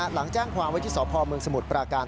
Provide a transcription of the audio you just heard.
หลังแจ้งความไว้ที่สพเมืองสมุทรปราการ